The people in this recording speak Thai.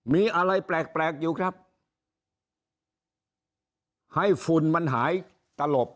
มีอะไรแปลกแปลกอยู่ครับให้ฝุ่นมันหายตลบ